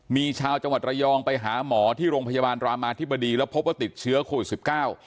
มีชาวจังหวัดระยองไปหาหมอที่โรงพยาบาลรามาธิบดีแล้วพบว่าติดเชื้อโควิดสิบเก้า